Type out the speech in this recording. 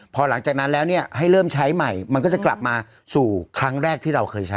พอหลังจากนั้นแล้วเนี่ยให้เริ่มใช้ใหม่มันก็จะกลับมาสู่ครั้งแรกที่เราเคยใช้